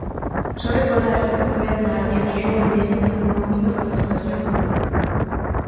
Só recordarlle que foi Aznar quen deixou Endesa sen unha única participación pública.